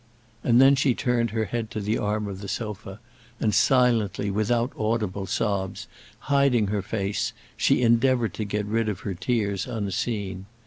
And then she turned her head to the arm of the sofa, and silently, without audible sobs, hiding her face, she endeavoured to get rid of her tears unseen.